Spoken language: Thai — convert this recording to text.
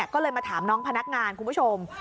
ก็เลยมาถามน้องพนักงานคุณผู้ชม